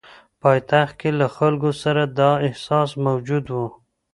پایتخت کې له خلکو سره دا احساس موجود وو.